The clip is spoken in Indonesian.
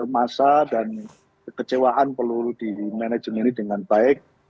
masa dan kecewaan perlu dimanagen ini dengan baik